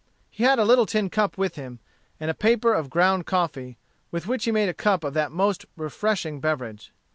He had a little tin cup with him, and a paper of ground coffee, with which he made a cup of that most refreshing beverage.